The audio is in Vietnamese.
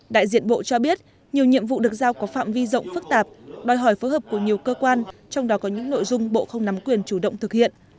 đại diện bộ cho biết nhiều nhiệm vụ được giao có phạm vi rộng phức tạp đòi hỏi phối hợp của nhiều cơ quan trong đó có những nội dung bộ không nắm quyền chủ động thực hiện